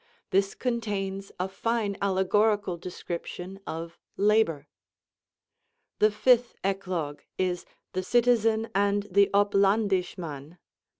This contains a fine allegorical description of 'Labour.' The fifth 'Eclogue' is the 'Cytezen and the Uplondyshman.'